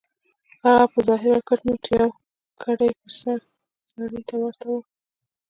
هغه په ظاهره کټ مټ يوې کډې پر سر سړي ته ورته و.